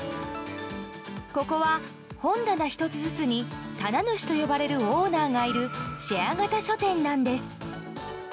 ここは本棚１つずつに棚主と呼ばれるオーナーがいるシェア型書店なんです。